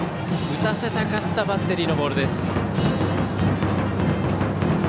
打たせたかったバッテリーのボールです。